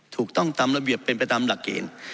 ถูกต้องตามระเบียบเป็นไปตามหลักเกณฑ์